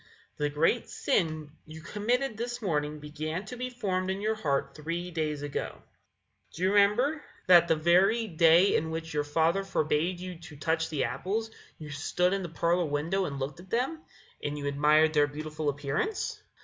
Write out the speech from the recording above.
The great sin you committed this morning began to be formed in your heart three days ago. Do you remember that that very day in which your father forbade you to touch the apples, you stood in the parlour window and looked at them, and you admired their beautiful appearance?